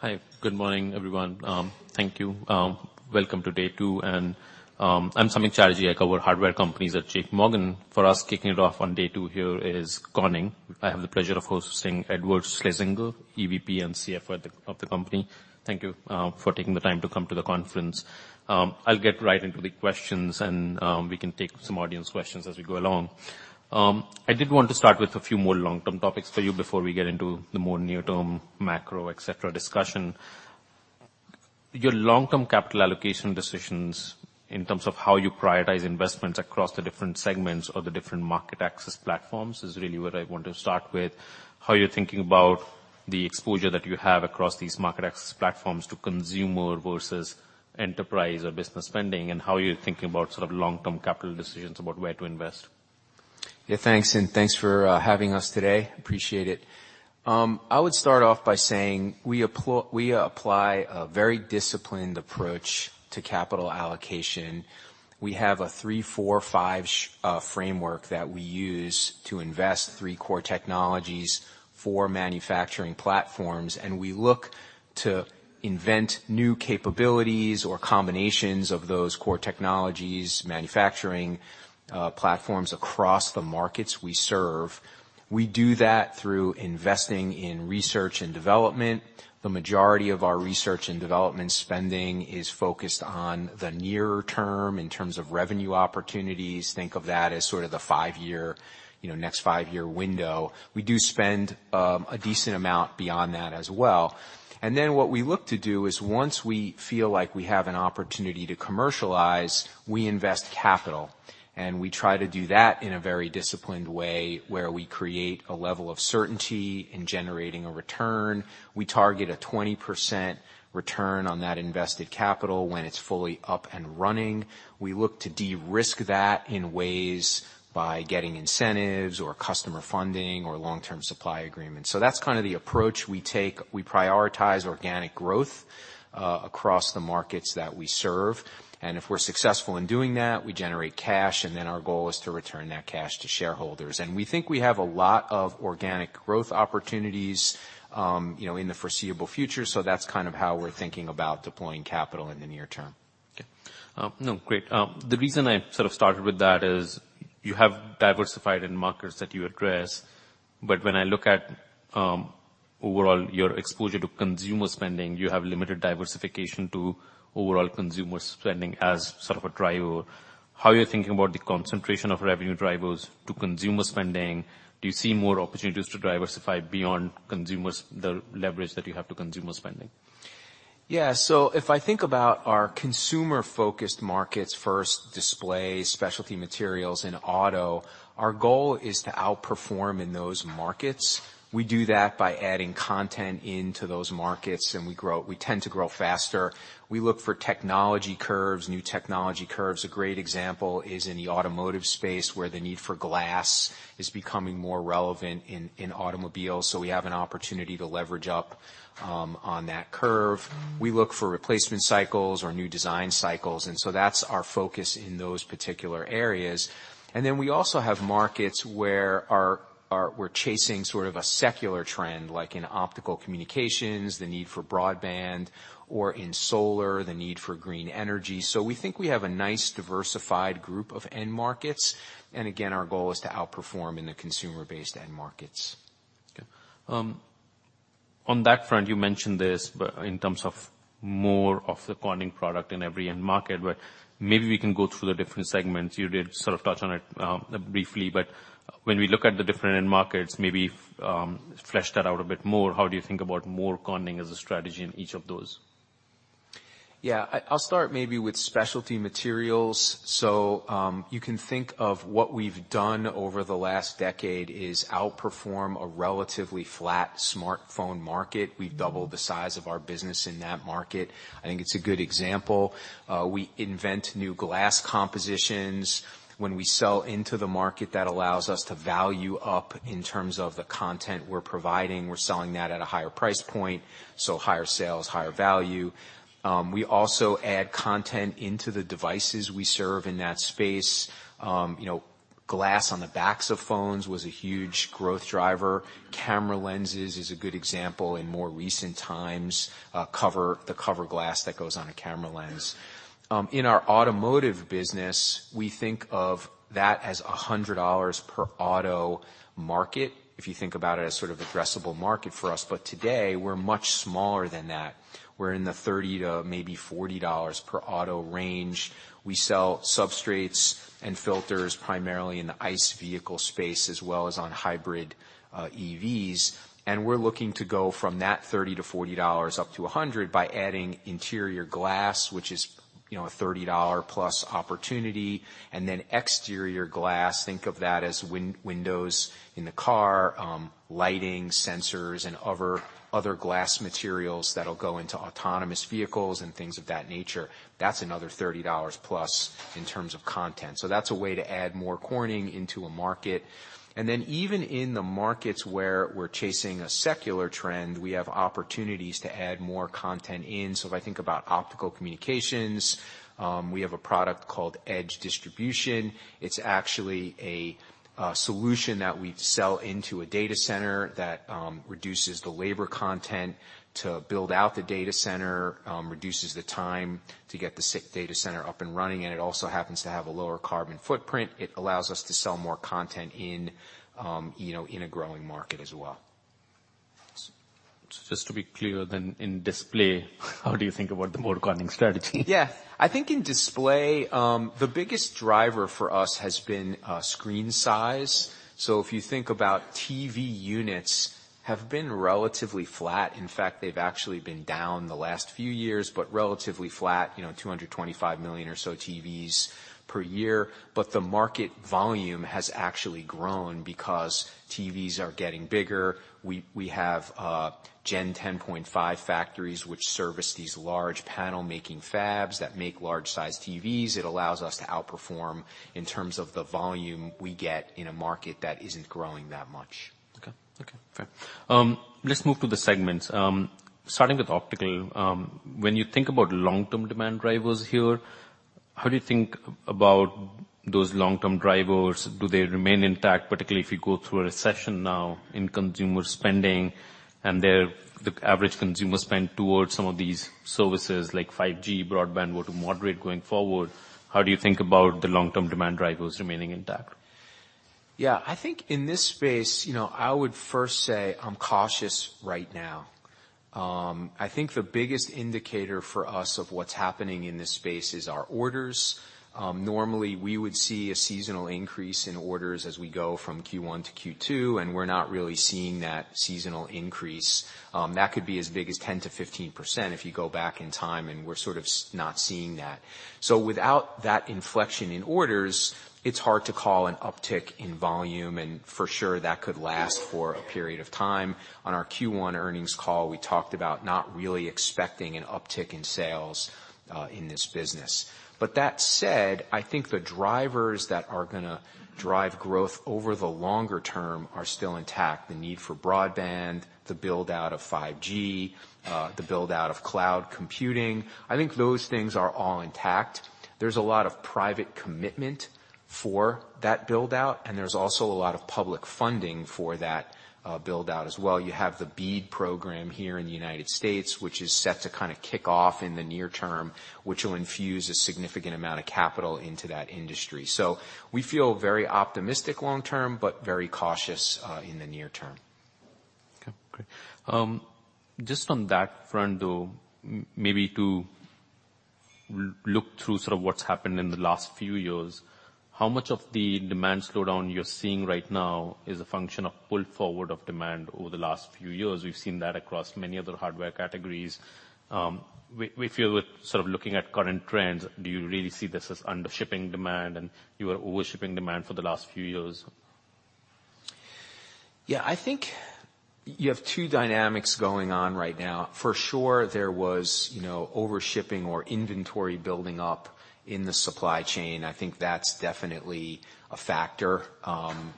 Hi, good morning, everyone. Thank you. Welcome to day two. I'm Samik Chatterjee. I cover hardware companies at JPMorgan. For us, kicking it off on day two here is Corning. I have the pleasure of hosting Edward Schlesinger, EVP and CFO of the, of the company. Thank you, for taking the time to come to the conference. I'll get right into the questions. We can take some audience questions as we go along. I did want to start with a few more long-term topics for you before we get into the more near-term macro, et cetera, discussion. Your long-term capital allocation decisions in terms of how you prioritize investments across the different segments or the different market access platforms is really what I want to start with. How you're thinking about the exposure that you have across these market access platforms to consumer versus enterprise or business spending, and how you're thinking about sort of long-term capital decisions about where to invest. Yeah, thanks, and thanks for having us today. Appreciate it. I would start off by saying we apply a very disciplined approach to capital allocation. We have a 3-4-5 framework that we use to invest 3 core technologies, 4 manufacturing platforms, and we look to invent new capabilities or combinations of those core technologies, manufacturing platforms across the markets we serve. We do that through investing in research and development. The majority of our research and development spending is focused on the near term in terms of revenue opportunities. Think of that as sort of the 5-year, you know, next 5-year window. We do spend a decent amount beyond that as well. What we look to do is once we feel like we have an opportunity to commercialize, we invest capital, and we try to do that in a very disciplined way, where we create a level of certainty in generating a return. We target a 20% return on that invested capital when it's fully up and running. We look to de-risk that in ways by getting incentives or customer funding or long-term supply agreements. That's kind of the approach we take. We prioritize organic growth across the markets that we serve, and if we're successful in doing that, we generate cash, and then our goal is to return that cash to shareholders. We think we have a lot of organic growth opportunities, you know, in the foreseeable future, that's kind of how we're thinking about deploying capital in the near term. Okay. No, great. The reason I sort of started with that is you have diversified in markets that you address, but when I look at overall your exposure to consumer spending, you have limited diversification to overall consumer spending as sort of a driver. How are you thinking about the concentration of revenue drivers to consumer spending? Do you see more opportunities to diversify beyond consumers, the leverage that you have to consumer spending? Yeah. If I think about our consumer-focused markets first, display, specialty materials, and auto, our goal is to outperform in those markets. We do that by adding content into those markets, and we tend to grow faster. We look for technology curves, new technology curves. A great example is in the automotive space, where the need for glass is becoming more relevant in automobiles, so we have an opportunity to leverage up on that curve. We look for replacement cycles or new design cycles, and so that's our focus in those particular areas. We also have markets where our we're chasing sort of a secular trend, like in optical communications, the need for broadband, or in solar, the need for green energy. We think we have a nice diversified group of end markets, and again, our goal is to outperform in the consumer-based end markets. Okay. On that front, you mentioned this, but in terms of more of the Corning product in every end market, but maybe we can go through the different segments. You did sort of touch on it, briefly, but when we look at the different end markets, maybe, flesh that out a bit more. How do you think about more Corning as a strategy in each of those? Yeah. I'll start maybe with specialty materials. You can think of what we've done over the last decade is outperform a relatively flat smartphone market. We've doubled the size of our business in that market. I think it's a good example. We invent new glass compositions. When we sell into the market, that allows us to value up in terms of the content we're providing. We're selling that at a higher price point, higher sales, higher value. We also add content into the devices we serve in that space. You know, glass on the backs of phones was a huge growth driver. Camera lenses is a good example in more recent times. The cover glass that goes on a camera lens. In our automotive business, we think of that as $100 per auto market, if you think about it as sort of addressable market for us. Today, we're much smaller than that. We're in the $30-$40 per auto range. We sell substrates and filters primarily in the ICE vehicle space, as well as on hybrid EVs. We're looking to go from that $30-$40 up to $100 by adding interior glass, which is, you know, a $30+ opportunity, and then exterior glass, think of that as win-windows in the car, lighting, sensors, and other glass materials that'll go into autonomous vehicles and things of that nature. That's another $30+ in terms of content. That's a way to add more Corning into a market. Even in the markets where we're chasing a secular trend, we have opportunities to add more content in. If I think about optical communications, we have a product called EDGE Distribution. It's actually a solution that we sell into a data center that reduces the labor content to build out the data center, reduces the time to get the data center up and running, and it also happens to have a lower carbon footprint. It allows us to sell more content in, you know, in a growing market as well. Just to be clear then, in display, how do you think about the more Corning strategy? Yeah. I think in display, the biggest driver for us has been screen size. If you think about TV units have been relatively flat. In fact, they've actually been down the last few years, but relatively flat, you know, 225 million or so TVs per year. The market volume has actually grown because TVs are getting bigger. We have Gen 10.5 factories which service these large panel making fabs that make large sized TVs. It allows us to outperform in terms of the volume we get in a market that isn't growing that much. Okay. Okay, fair. Let's move to the segments. Starting with optical, when you think about long-term demand drivers here, how do you think about those long-term drivers? Do they remain intact, particularly if we go through a recession now in consumer spending and the average consumer spend towards some of these services, like 5G, broadband were to moderate going forward? How do you think about the long-term demand drivers remaining intact? Yeah. I think in this space, you know, I would first say I'm cautious right now. I think the biggest indicator for us of what's happening in this space is our orders. Normally, we would see a seasonal increase in orders as we go from Q1 to Q2, and we're not really seeing that seasonal increase. That could be as big as 10%-15% if you go back in time, and we're sort of not seeing that. Without that inflection in orders, it's hard to call an uptick in volume, and for sure, that could last for a period of time. On our Q1 earnings call, we talked about not really expecting an uptick in sales in this business. That said, I think the drivers that are going to drive growth over the longer term are still intact. The need for broadband, the build-out of 5G, the build-out of cloud computing, I think those things are all intact. There's a lot of private commitment for that build-out, and there's also a lot of public funding for that, build-out as well. You have the BEAD program here in the United States, which is set to kinda kick off in the near term, which will infuse a significant amount of capital into that industry. We feel very optimistic long term, but very cautious, in the near term. Okay, great. Just on that front, though, maybe to look through sort of what's happened in the last few years, how much of the demand slowdown you're seeing right now is a function of pull forward of demand over the last few years? We've seen that across many other hardware categories. If you're sort of looking at current trends, do you really see this as undershipping demand and you were overshipping demand for the last few years? Yeah. I think you have two dynamics going on right now. For sure, there was, you know, overshipping or inventory building up in the supply chain. I think that's definitely a factor.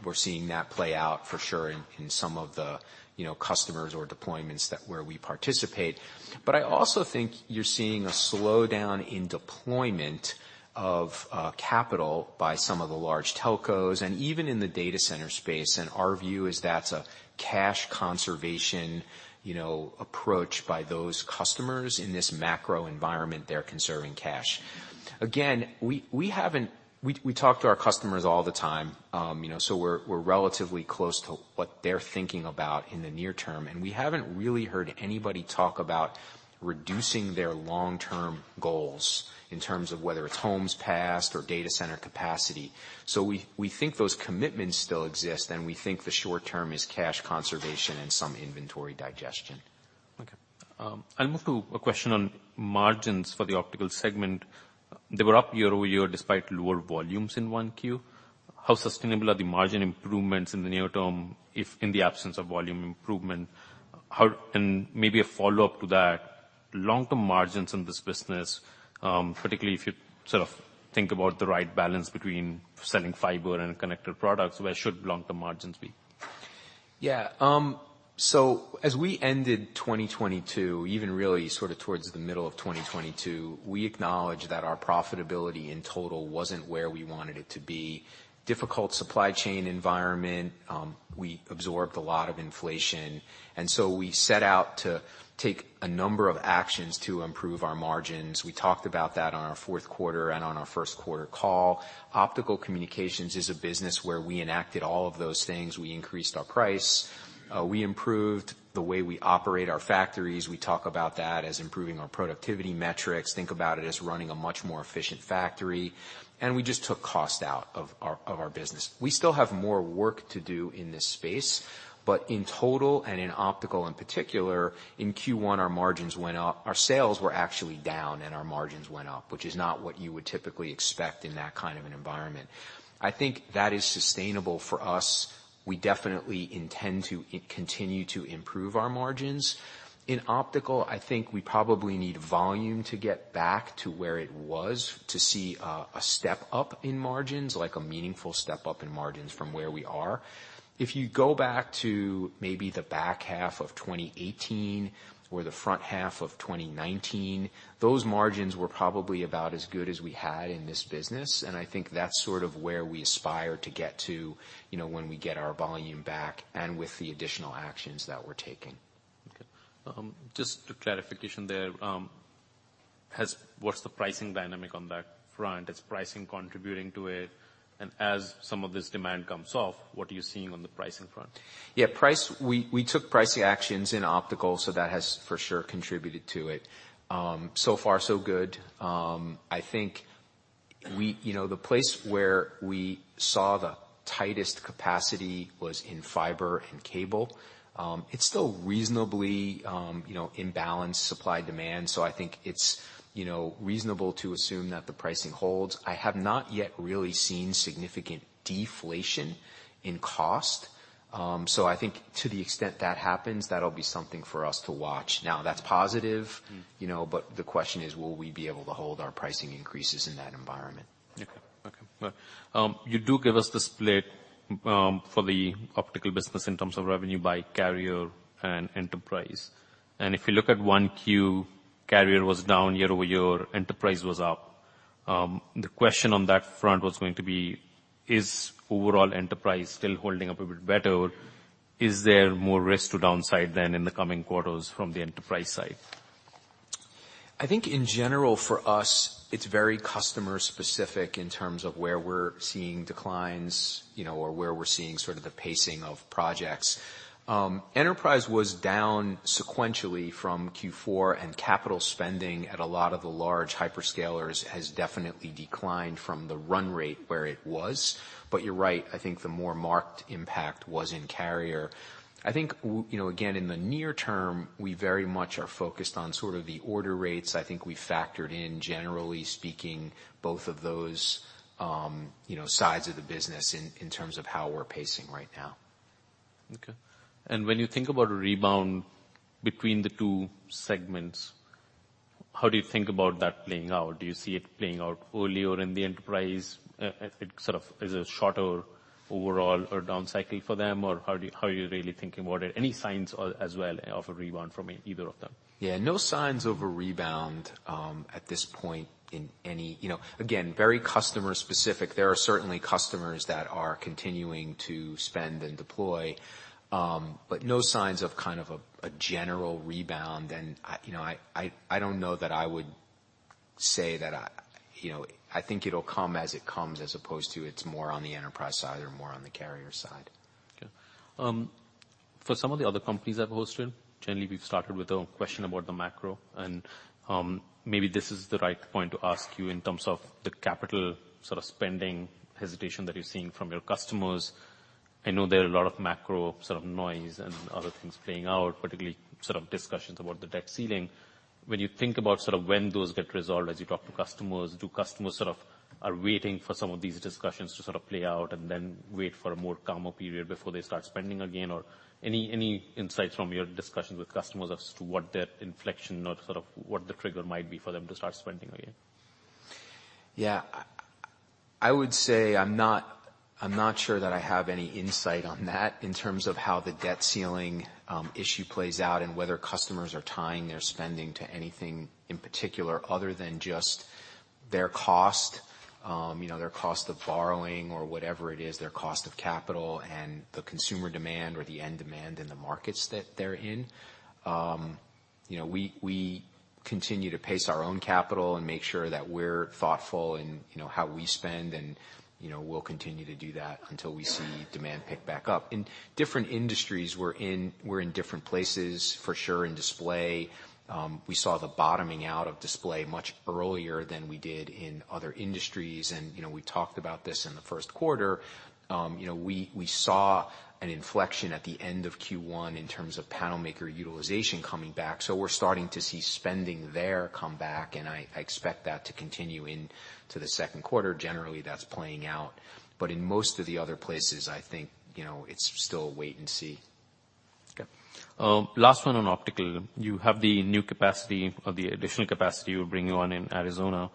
We're seeing that play out for sure in some of the, you know, customers or deployments where we participate. I also think you're seeing a slowdown in deployment of capital by some of the large telcos and even in the data center space. Our view is that's a cash conservation, you know, approach by those customers. In this macro environment, they're conserving cash. We talk to our customers all the time, you know, so we're relatively close to what they're thinking about in the near term, and we haven't really heard anybody talk about reducing their long-term goals in terms of whether it's homes passed or data center capacity. We think those commitments still exist, and we think the short term is cash conservation and some inventory digestion. Okay. I'll move to a question on margins for the optical segment. They were up year-over-year despite lower volumes in 1Q. How sustainable are the margin improvements in the near term if in the absence of volume improvement? Maybe a follow-up to that, long-term margins in this business, particularly if you sort of think about the right balance between selling fiber and connected products, where should long-term margins be? As we ended 2022, even really sort of towards the middle of 2022, we acknowledged that our profitability in total wasn't where we wanted it to be. Difficult supply chain environment. We absorbed a lot of inflation. We set out to take a number of actions to improve our margins. We talked about that on our fourth quarter and on our first quarter call. Optical communications is a business where we enacted all of those things. We increased our price. We improved the way we operate our factories. We talk about that as improving our productivity metrics. Think about it as running a much more efficient factory. We just took cost out of our business. We still have more work to do in this space, but in total and in optical in particular, in Q1, our margins went up. Our sales were actually down, and our margins went up, which is not what you would typically expect in that kind of an environment. I think that is sustainable for us. We definitely intend to continue to improve our margins. In optical, I think we probably need volume to get back to where it was to see a step up in margins, like a meaningful step up in margins from where we are. If you go back to maybe the back half of 2018 or the front half of 2019, those margins were probably about as good as we had in this business, I think that's sort of where we aspire to get to, you know, when we get our volume back and with the additional actions that we're taking. Just a clarification there, what's the pricing dynamic on that front? Is pricing contributing to it? And as some of this demand comes off, what are you seeing on the pricing front? Yeah, price. We took pricing actions in optical, so that has for sure contributed to it. So far so good. I think we, you know, the place where we saw the tightest capacity was in fiber and cable. It's still reasonably, you know, imbalanced supply-demand, so I think it's, you know, reasonable to assume that the pricing holds. I have not yet really seen significant deflation in cost. I think to the extent that happens, that'll be something for us to watch. Now, that's positive. Mm. You know, the question is, will we be able to hold our pricing increases in that environment? Okay. Okay. You do give us the split for the optical business in terms of revenue by carrier and enterprise. If you look at 1Q, carrier was down year-over-year, enterprise was up. The question on that front was going to be, is overall enterprise still holding up a bit better? Is there more risk to downside than in the coming quarters from the enterprise side? I think in general for us, it's very customer specific in terms of where we're seeing declines, you know, or where we're seeing sort of the pacing of projects. Enterprise was down sequentially from Q4, and capital spending at a lot of the large hyperscalers has definitely declined from the run rate where it was. You're right, I think the more marked impact was in carrier. I think you know, again, in the near term, we very much are focused on sort of the order rates. I think we factored in, generally speaking, both of those, you know, sides of the business in terms of how we're pacing right now. Okay. When you think about a rebound between the two segments, how do you think about that playing out? Do you see it playing out earlier in the enterprise? It sort of is a shorter overall or down cycle for them, or how are you really thinking about it? Any signs as well of a rebound from either of them? Yeah, no signs of a rebound at this point. You know, again, very customer specific. There are certainly customers that are continuing to spend and deploy, but no signs of kind of a general rebound. I, you know, I don't know that I would say that. You know, I think it'll come as it comes as opposed to it's more on the enterprise side or more on the carrier side. Okay. For some of the other companies I've hosted, generally, we've started with a question about the macro, and maybe this is the right point to ask you in terms of the capital sort of spending hesitation that you're seeing from your customers. I know there are a lot of macro sort of noise and other things playing out, particularly sort of discussions about the debt ceiling. When you think about sort of when those get resolved, as you talk to customers, do customers sort of are waiting for some of these discussions to sort of play out and then wait for a more calmer period before they start spending again? Any insights from your discussions with customers as to what their inflection or sort of what the trigger might be for them to start spending again? I would say I'm not sure that I have any insight on that in terms of how the debt ceiling issue plays out and whether customers are tying their spending to anything in particular other than just their cost, you know, their cost of borrowing or whatever it is, their cost of capital and the consumer demand or the end demand in the markets that they're in. You know, we continue to pace our own capital and make sure that we're thoughtful in, you know, how we spend, and, you know, we'll continue to do that until we see demand pick back up. In different industries we're in, we're in different places for sure. In display, we saw the bottoming out of display much earlier than we did in other industries. You know, we talked about this in the first quarter, you know, we saw an inflection at the end of Q1 in terms of panel maker utilization coming back, so we're starting to see spending there come back, and I expect that to continue into the second quarter. Generally, that's playing out. In most of the other places, I think, you know, it's still wait and see. Okay. Last one on optical. You have the new capacity or the additional capacity you're bringing on in Arizona.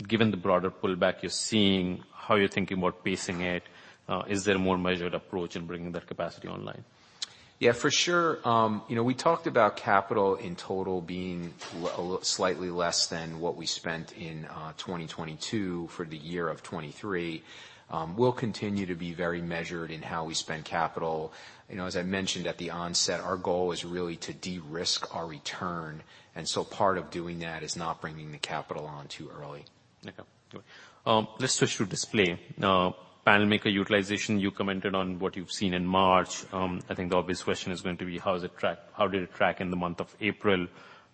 Given the broader pullback you're seeing, how you're thinking about pacing it, is there a more measured approach in bringing that capacity online? Yeah, for sure. you know, we talked about capital in total being slightly less than what we spent in, 2022 for the year of 2023. We'll continue to be very measured in how we spend capital. You know, as I mentioned at the onset, our goal is really to de-risk our return, part of doing that is not bringing the capital on too early. Okay. Let's switch to display. Panel maker utilization, you commented on what you've seen in March. I think the obvious question is going to be how did it track in the month of April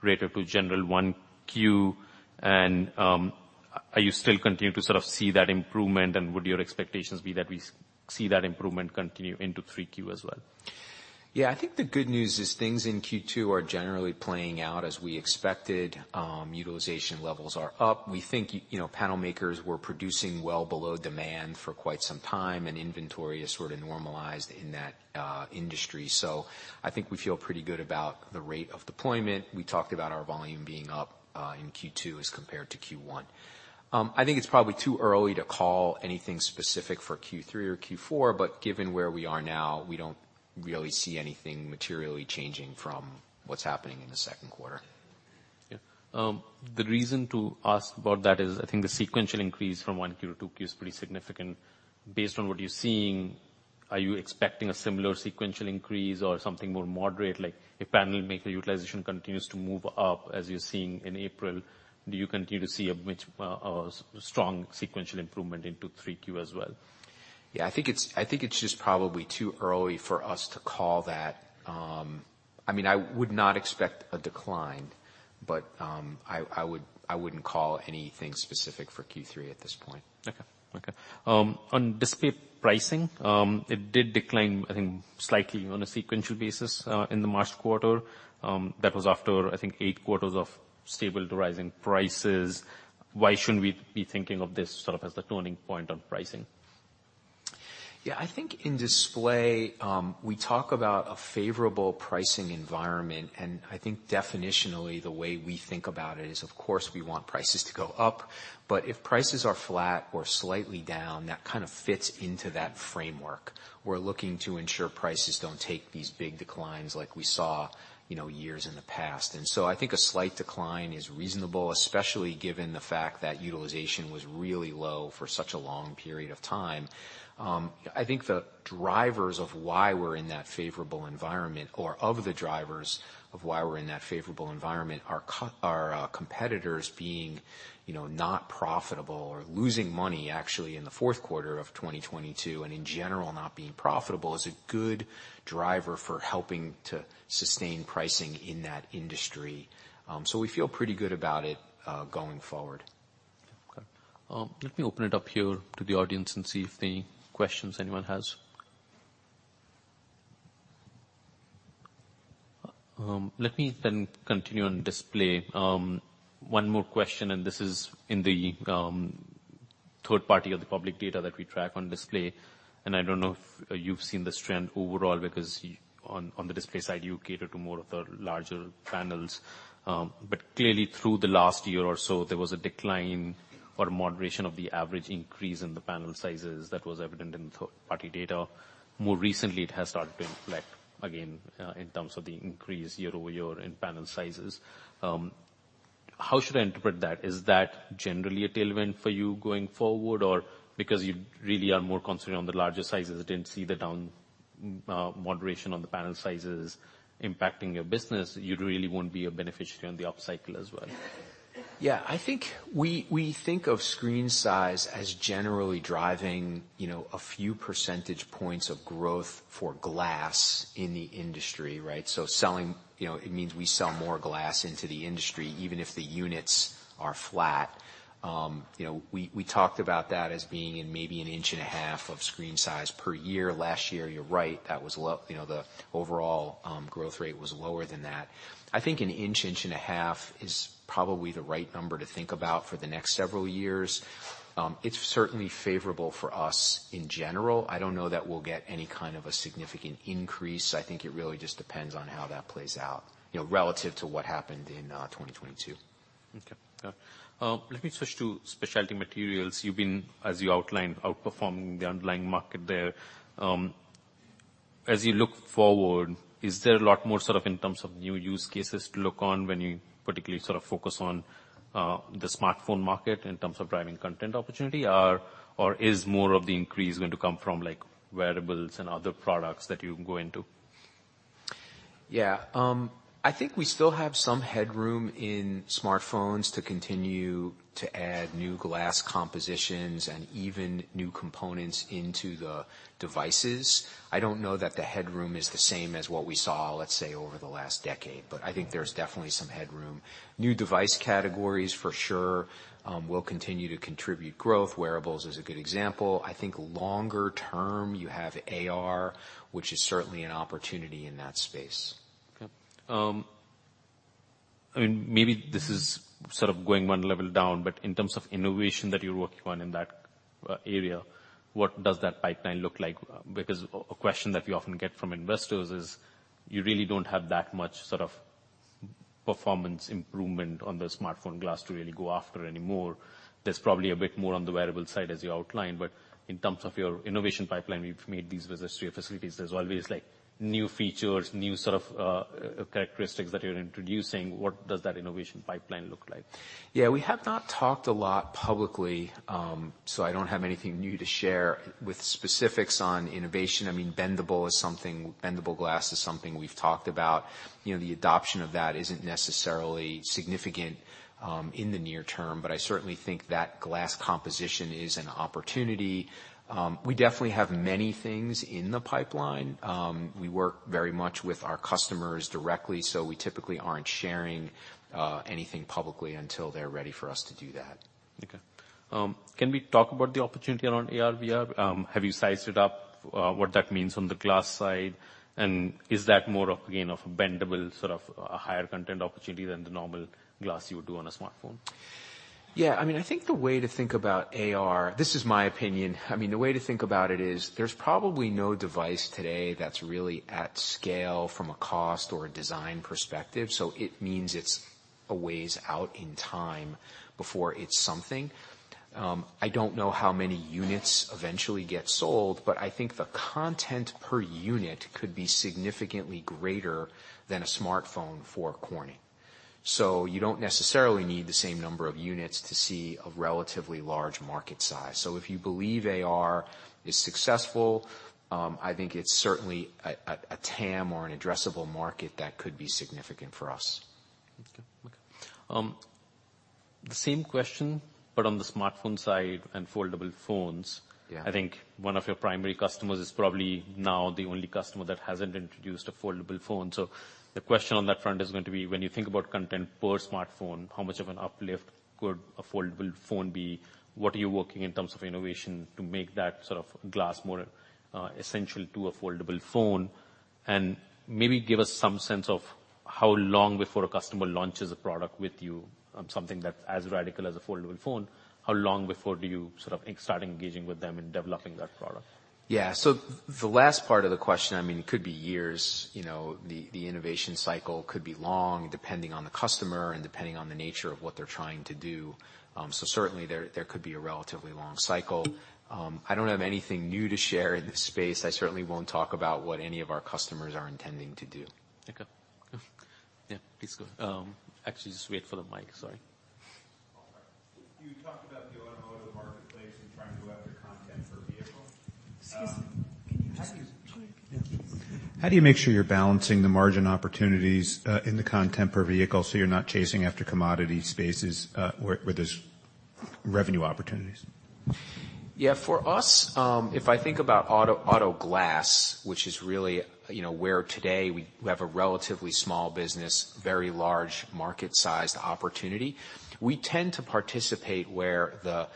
related to general 1Q? Are you still continuing to sort of see that improvement, and would your expectations be that we see that improvement continue into 3Q as well? I think the good news is things in Q2 are generally playing out as we expected. Utilization levels are up. We think, you know, panel makers were producing well below demand for quite some time, and inventory is sort of normalized in that industry. I think we feel pretty good about the rate of deployment. We talked about our volume being up in Q2 as compared to Q1. I think it's probably too early to call anything specific for Q3 or Q4, but given where we are now, we don't really see anything materially changing from what's happening in the second quarter. The reason to ask about that is I think the sequential increase from 1Q to 2Q is pretty significant. Based on what you're seeing, are you expecting a similar sequential increase or something more moderate? Like, if panel maker utilization continues to move up as you're seeing in April, do you continue to see a bit of strong sequential improvement into 3Q as well? Yeah. I think it's just probably too early for us to call that. I mean, I would not expect a decline, but I wouldn't call anything specific for Q3 at this point. Okay. Okay. On display pricing, it did decline, I think, slightly on a sequential basis, in the March quarter. That was after, I think, eight quarters of stable to rising prices. Why shouldn't we be thinking of this sort of as the turning point on pricing? Yeah. I think in display, we talk about a favorable pricing environment, I think definitionally the way we think about it is, of course, we want prices to go up, but if prices are flat or slightly down, that kind of fits into that framework. We're looking to ensure prices don't take these big declines like we saw, you know, years in the past. I think a slight decline is reasonable, especially given the fact that utilization was really low for such a long period of time. I think the drivers of why we're in that favorable environment are competitors being, you know, not profitable or losing money actually in the fourth quarter of 2022, and in general, not being profitable is a good driver for helping to sustain pricing in that industry. We feel pretty good about it, going forward. Okay. Let me open it up here to the audience and see if any questions anyone has. Let me continue on display. One more question, this is in the 3rd party of the public data that we track on display, and I don't know if you've seen this trend overall because on the display side, you cater to more of the larger panels. Clearly through the last year or so, there was a decline or moderation of the average increase in the panel sizes that was evident in 3rd-party data. More recently, it has started to reflect again in terms of the increase year-over-year in panel sizes. How should I interpret that? Is that generally a tailwind for you going forward? Because you really are more concentrated on the larger sizes and didn't see the down, moderation on the panel sizes impacting your business, you really won't be a beneficiary on the upcycle as well. I think we think of screen size as generally driving, you know, a few percentage points of growth for glass in the industry, right? You know, it means we sell more glass into the industry even if the units are flat. You know, we talked about that as being in maybe 1.5 inches of screen size per year. Last year, you're right, that was, you know, the overall growth rate was lower than that. I think 1.5 inches is probably the right number to think about for the next several years. It's certainly favorable for us in general. I don't know that we'll get any kind of a significant increase. I think it really just depends on how that plays out, you know, relative to what happened in 2022. Okay. Let me switch to specialty materials. You've been, as you outlined, outperforming the underlying market there. As you look forward, is there a lot more sort of in terms of new use cases to look on when you particularly sort of focus on the smartphone market in terms of driving content opportunity? Or is more of the increase going to come from like wearables and other products that you can go into? I think we still have some headroom in smartphones to continue to add new glass compositions and even new components into the devices. I don't know that the headroom is the same as what we saw, let's say, over the last decade, but I think there's definitely some headroom. New device categories for sure, will continue to contribute growth. Wearables is a good example. I think longer term, you have AR, which is certainly an opportunity in that space. Okay. I mean, maybe this is sort of going one level down, but in terms of innovation that you're working on in that area, what does that pipeline look like? A question that we often get from investors is, you really don't have that much sort of performance improvement on the smartphone glass to really go after anymore. There's probably a bit more on the wearable side as you outlined, but in terms of your innovation pipeline, you've made these visits to your facilities. There's always, like, new features, new sort of characteristics that you're introducing. What does that innovation pipeline look like? Yeah. We have not talked a lot publicly. I don't have anything new to share with specifics on innovation. I mean, bendable glass is something we've talked about. You know, the adoption of that isn't necessarily significant in the near term. I certainly think that glass composition is an opportunity. We definitely have many things in the pipeline. We work very much with our customers directly. We typically aren't sharing anything publicly until they're ready for us to do that. Okay. Can we talk about the opportunity around AR/VR? Have you sized it up, what that means on the glass side? Is that more of, again, of a bendable sort of a higher content opportunity than the normal glass you would do on a smartphone? Yeah. I mean, I think the way to think about AR, this is my opinion. I mean, the way to think about it is there's probably no device today that's really at scale from a cost or a design perspective, so it means it's a ways out in time before it's something. I don't know how many units eventually get sold, but I think the content per unit could be significantly greater than a smartphone for Corning. You don't necessarily need the same number of units to see a relatively large market size. If you believe AR is successful, I think it's certainly a, a TAM or an addressable market that could be significant for us. Okay. Okay. The same question, but on the smartphone side and foldable phones. Yeah. I think one of your primary customers is probably now the only customer that hasn't introduced a foldable phone. The question on that front is going to be, when you think about content per smartphone, how much of an uplift could a foldable phone be? What are you working in terms of innovation to make that sort of glass more essential to a foldable phone? Maybe give us some sense of how long before a customer launches a product with you on something that's as radical as a foldable phone, how long before do you sort of start engaging with them in developing that product? Yeah. The last part of the question, I mean, could be years. You know, the innovation cycle could be long, depending on the customer and depending on the nature of what they're trying to do. Certainly there could be a relatively long cycle. I don't have anything new to share in this space. I certainly won't talk about what any of our customers are intending to do. Okay. Yeah, please go. Actually, just wait for the mic. Sorry. You talked about the automotive marketplace and trying to go after content per vehicle. How do you make sure you're balancing the margin opportunities in the content per vehicle so you're not chasing after commodity spaces where there's revenue opportunities? Yeah. For us, if I think about auto glass, which is really, you know, where today we have a relatively small business, very large market-sized opportunity, we tend to participate where the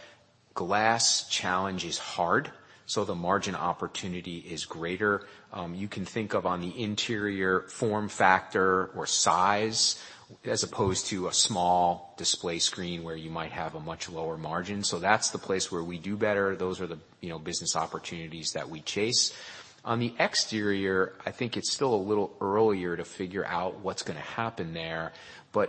glass challenge is hard. The margin opportunity is greater. You can think of on the interior form factor or size as opposed to a small display screen where you might have a much lower margin. That's the place where we do better. Those are the, you know, business opportunities that we chase. On the exterior, I think it's still a little earlier to figure out what's gonna happen there.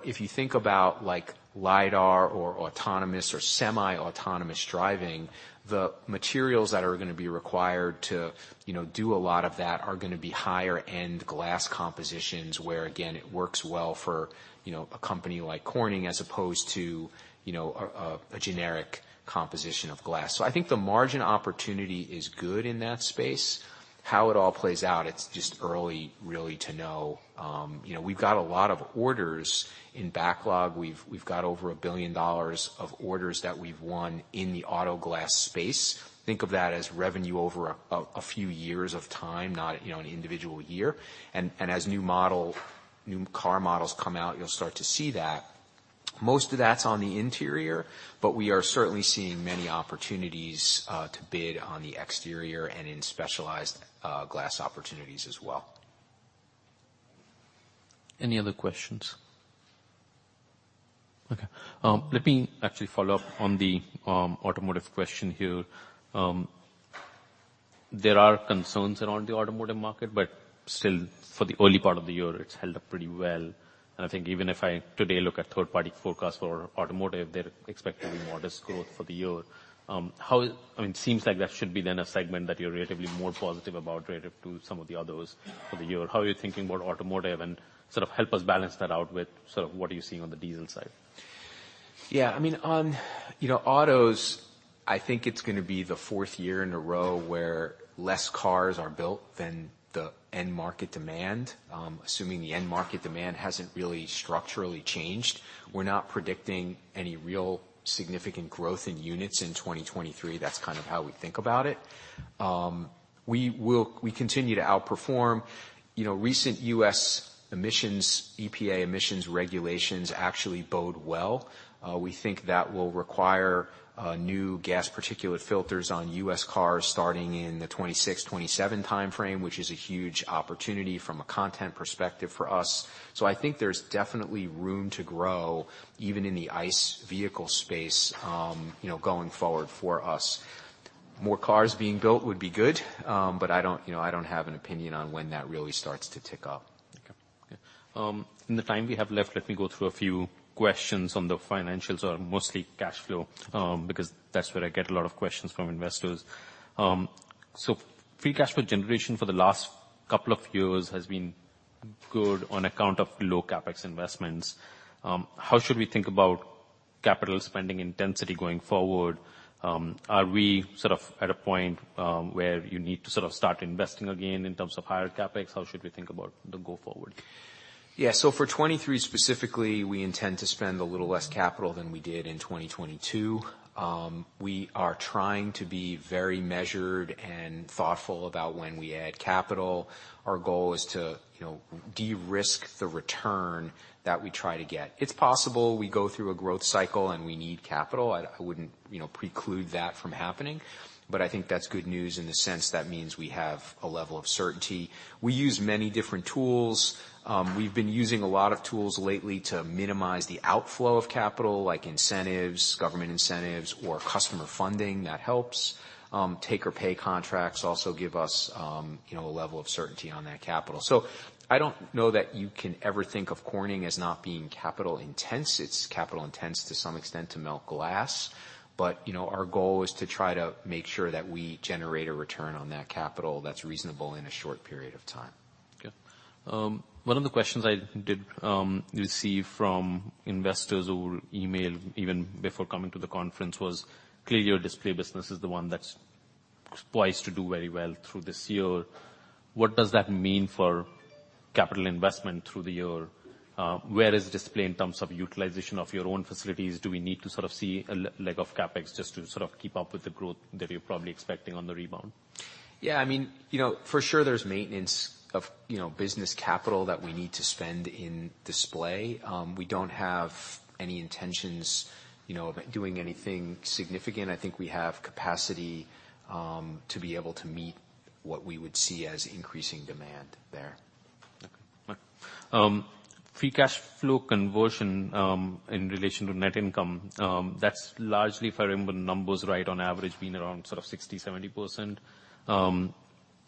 If you think about, like, LIDAR or autonomous or semi-autonomous driving, the materials that are gonna be required to, you know, do a lot of that are gonna be higher-end glass compositions, where, again, it works well for, you know, a company like Corning as opposed to, you know, a generic composition of glass. I think the margin opportunity is good in that space. How it all plays out, it's just early really to know. You know, we've got a lot of orders in backlog. We've got over $1 billion of orders that we've won in the auto glass space. Think of that as revenue over a few years of time, not, you know, an individual year. As new car models come out, you'll start to see that. Most of that's on the interior, but we are certainly seeing many opportunities, to bid on the exterior and in specialized, glass opportunities as well. Any other questions? Okay. Let me actually follow up on the automotive question here. There are concerns around the automotive market, but still, for the early part of the year, it's held up pretty well. I think even if I today look at third-party forecasts for automotive, they're expecting modest growth for the year. I mean, seems like that should be then a segment that you're relatively more positive about relative to some of the others for the year. How are you thinking about automotive, and sort of help us balance that out with sort of what are you seeing on the diesel side? Yeah. I mean, on, you know, autos, I think it's going to be the fourth year in a row where less cars are built than the end market demand. Assuming the end market demand hasn't really structurally changed, we're not predicting any real significant growth in units in 2023. That's kind of how we think about it. We continue to outperform. You know, recent U.S. emissions, EPA emissions regulations actually bode well. We think that will require new gasoline particulate filters on U.S. cars starting in the 2026/2027 timeframe, which is a huge opportunity from a content perspective for us. I think there's definitely room to grow, even in the ICE vehicle space, you know, going forward for us. More cars being built would be good. I don't, you know, I don't have an opinion on when that really starts to tick up. Okay. Okay. In the time we have left, let me go through a few questions on the financials or mostly cash flow, because that's where I get a lot of questions from investors. Free cash flow generation for the last couple of years has been good on account of low CapEx investments. How should we think about capital spending intensity going forward? Are we sort of at a point where you need to sort of start investing again in terms of higher CapEx? How should we think about the go forward? Yeah. For 2023 specifically, we intend to spend a little less capital than we did in 2022. We are trying to be very measured and thoughtful about when we add capital. Our goal is to, you know, de-risk the return that we try to get. It's possible we go through a growth cycle, and we need capital. I wouldn't, you know, preclude that from happening, but I think that's good news in the sense that means we have a level of certainty. We use many different tools. We've been using a lot of tools lately to minimize the outflow of capital, like incentives, government incentives, or customer funding. That helps. Take-or-pay contracts also give us, you know, a level of certainty on that capital. I don't know that you can ever think of Corning as not being capital intense. It's capital intense to some extent to melt glass. You know, our goal is to try to make sure that we generate a return on that capital that's reasonable in a short period of time. Okay. One of the questions I did receive from investors over email even before coming to the conference was clearly your display business is the one that's poised to do very well through this year. What does that mean for capital investment through the year? Where is display in terms of utilization of your own facilities? Do we need to sort of see a leg of CapEx just to sort of keep up with the growth that you're probably expecting on the rebound? I mean, you know, for sure there's maintenance of, you know, business capital that we need to spend in display. We don't have any intentions, you know, of doing anything significant. I think we have capacity to be able to meet what we would see as increasing demand there. Free cash flow conversion, in relation to net income, that's largely, if I remember the numbers right, on average, been around 60%-70%.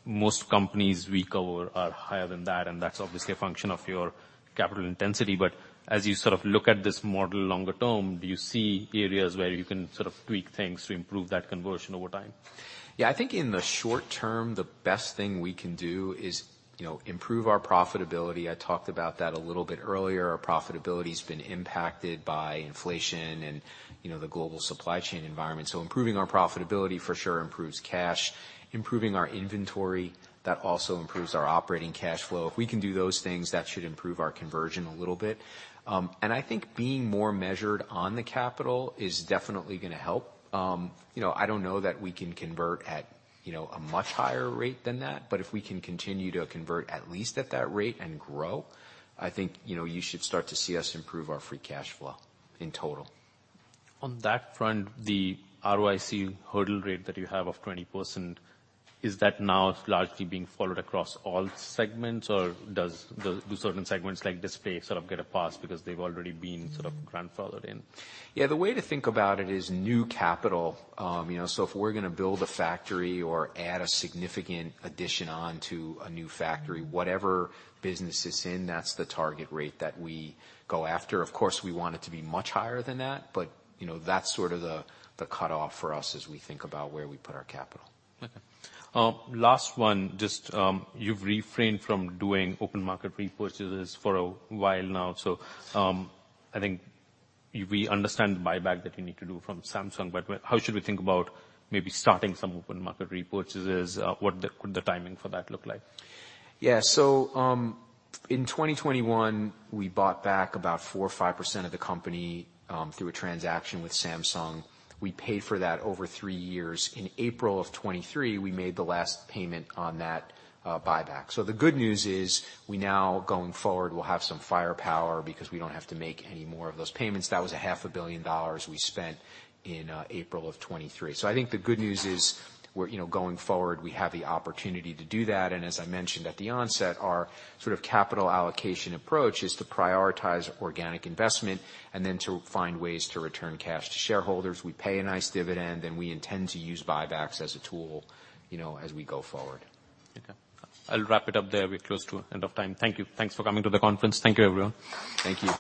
Most companies we cover are higher than that, and that's obviously a function of your capital intensity. As you sort of look at this model longer term, do you see areas where you can sort of tweak things to improve that conversion over time? I think in the short term, the best thing we can do is, you know, improve our profitability. I talked about that a little bit earlier. Our profitability's been impacted by inflation and, you know, the global supply chain environment. Improving our profitability for sure improves cash. Improving our inventory, that also improves our operating cash flow. If we can do those things, that should improve our conversion a little bit. I think being more measured on the capital is definitely gonna help. You know, I don't know that we can convert at, you know, a much higher rate than that, but if we can continue to convert at least at that rate and grow, I think, you know, you should start to see us improve our free cash flow in total. On that front, the ROIC hurdle rate that you have of 20%, is that now largely being followed across all segments, or do certain segments like display sort of get a pass because they've already been sort of grandfathered in? Yeah. The way to think about it is new capital. You know, if we're gonna build a factory or add a significant addition on to a new factory, whatever business it's in, that's the target rate that we go after. Of course, we want it to be much higher than that, but, you know, that's sort of the cutoff for us as we think about where we put our capital. Okay. Last one. Just, you've refrained from doing open market repurchases for a while now. I think we understand the buyback that you need to do from Samsung. How should we think about maybe starting some open market repurchases? What could the timing for that look like? Yeah. In 2021, we bought back about 4% or 5% of the company, through a transaction with Samsung. We paid for that over 3 years. In April of 2023, we made the last payment on that buyback. The good news is we now, going forward, will have some firepower because we don't have to make any more of those payments. That was a half a billion dollars we spent in April of 2023. I think the good news is we're, you know, going forward, we have the opportunity to do that. As I mentioned at the onset, our sort of capital allocation approach is to prioritize organic investment and then to find ways to return cash to shareholders. We pay a nice dividend, and we intend to use buybacks as a tool, you know, as we go forward. Okay. I'll wrap it up there. We're close to end of time. Thank you. Thanks for coming to the conference. Thank you, everyone. Thank you.